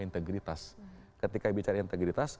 integritas ketika bicara integritas